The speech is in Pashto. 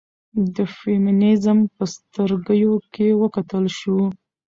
د فيمنيزم په سترګيو کې وکتل شو